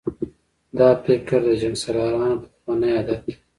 دا فکر د جنګسالارانو پخوانی عادت دی.